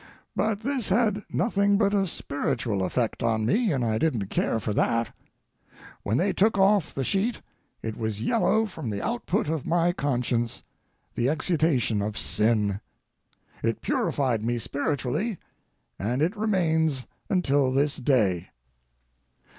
But this had nothing but a spiritual effect on me, and I didn't care for that. When they took off the sheet it was yellow from the output of my conscience, the exudation of sin. It purified me spiritually, and it remains until this day.